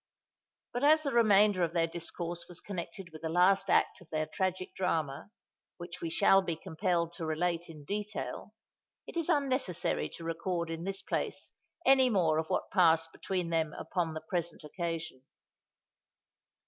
But as the remainder of their discourse was connected with the last act of their tragic drama, which we shall be compelled to relate in detail, it is unnecessary to record in this place any more of what passed between them upon the present occasion.